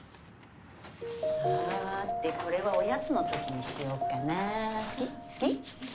さてこれはおやつの時にしようかな。